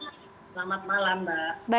selamat malam mbak